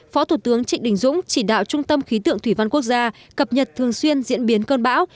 phó thủ tướng trịnh đình dũng chỉ đạo trung tâm khí tượng thủy văn quốc gia cập nhật thường xuyên diễn biến cơn bão